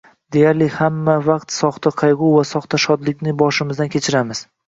Deyarli hamma vaqt soxta qayg‘u va soxta shodlikni boshimizdan kechiramiz.